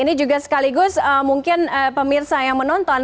ini juga sekaligus mungkin pemirsa yang menonton